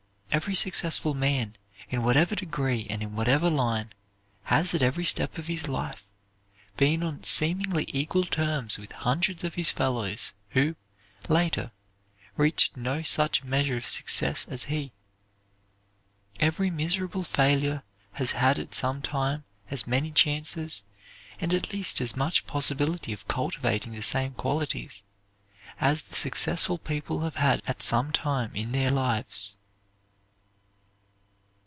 Every successful man, in whatever degree and in whatever line, has, at every step of his life, been on seemingly equal terms with hundreds of his fellows who, later, reached no such measure of success as he. Every miserable failure has had at some time as many chances, and at least as much possibility of cultivating the same qualities, as the successful people have had at some time in their lives.